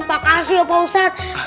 makasih pak ustaz